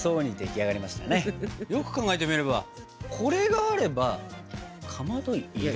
よく考えてみればこれがあればかまど要らない？